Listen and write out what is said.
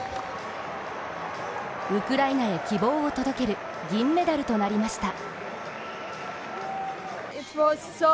ウクライナへ希望を届ける銀メダルとなりました。